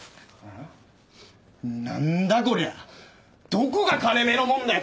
どこが金目のもんだよ！